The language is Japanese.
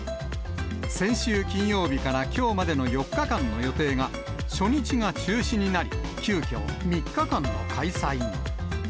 先週金曜日からきょうまでの４日間の予定が、初日が中止になり、急きょ、３日間の開催に。